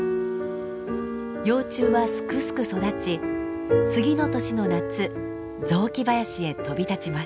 幼虫はすくすく育ち次の年の夏雑木林へ飛び立ちます。